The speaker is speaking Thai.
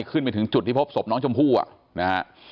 ขึ้นไปถึงจุดที่พบศพน้องชมพู่อ่ะนะฮะ